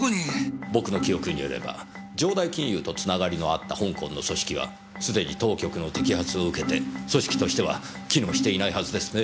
僕の記憶によれば城代金融とつながりのあった香港の組織はすでに当局の摘発を受けて組織としては機能していないはずですねぇ。